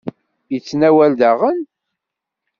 Yettnawal daɣen?